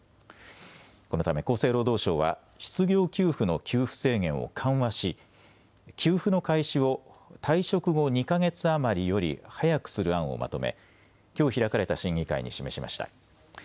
このため厚生労働省は失業給付の給付制限を緩和し給付の開始を退職後２か月余りより早くする案をまとめ、きょう開かれた審議会に示しました。